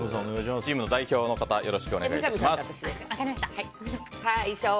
チームの代表の方お願いします。